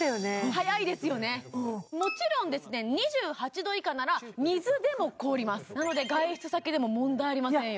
速いですよねもちろんですね２８度以下なら水でも凍りますなので外出先でも問題ありませんよ